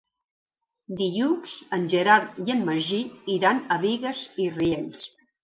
Dilluns en Gerard i en Magí iran a Bigues i Riells.